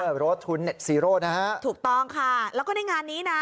รถทุนเน็ตซีโร่นะฮะถูกต้องค่ะแล้วก็ในงานนี้นะ